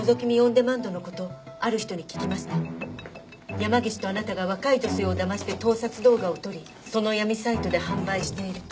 「山岸とあなたが若い女性をだまして盗撮動画を撮りその闇サイトで販売していると」。